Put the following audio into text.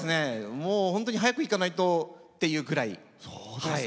もう、本当に早く行かないとっていうくらい。